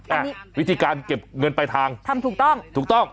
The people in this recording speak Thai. อันนี้วิธีการเก็บเงินไปทางทำถูกต้องถูกต้อง